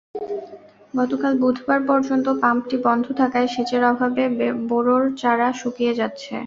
গতকাল বুধবার পর্যন্ত পাম্পটি বন্ধ থাকায় সেচের অভাবে বোরোর চারা শুকিয়ে যাচ্ছে।